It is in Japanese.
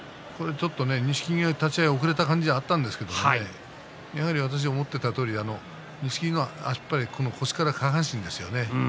錦木が立ち合い遅れた感じがあったんですけども思っていたとおり錦木の腰から下の下半身ですね